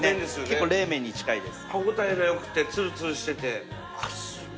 結構冷麺に近いです